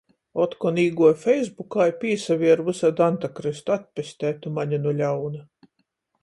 Otkon īguoju feisbukā i pīsavieru vysaidu antakrystu, atpestej tu mani nu ļauna!